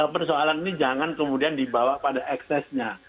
persoalan ini jangan kemudian dibawa pada eksesnya